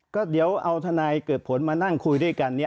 ก็เดี๋ยวเอาทนายเกิดผลมานั่งคุยด้วยกันเนี่ย